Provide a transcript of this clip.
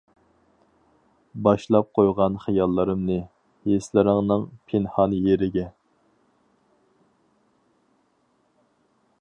باشلاپ قويغان خىياللىرىمنى، ھېسلىرىڭنىڭ پىنھان يېرىگە.